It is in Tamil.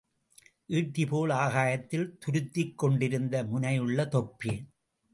ஈட்டிபோல் ஆகாயத்தில் துருத்திக்கொண்டிருந்த முனையுள்ள தொப்பி.